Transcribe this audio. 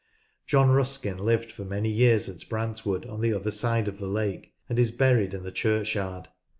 John Ruskin lived for many years at Brantwood, on the other side of the lake, and is buried in the churchyard.